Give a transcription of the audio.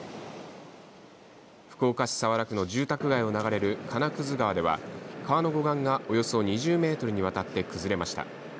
福岡市早良区の住宅街を流れる金屑川では、川の護岸がおよそ２０ｍにわたって崩れました。